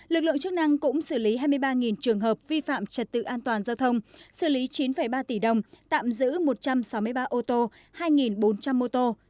lực lượng chức năng cũng xử lý hai mươi ba trường hợp vi phạm trật tự an toàn giao thông xử lý chín ba tỷ đồng tạm giữ một trăm sáu mươi ba ô tô hai bốn trăm linh mô tô